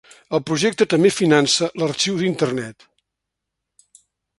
El projecte també finança l'Arxiu d'Internet.